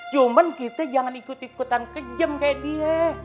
cuman kita jangan ikut ikutan kejem kayak dia